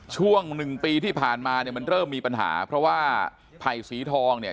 ช่วงหนึ่งปีที่ผ่านมาเนี่ยมันเริ่มมีปัญหาเพราะว่าไผ่สีทองเนี่ย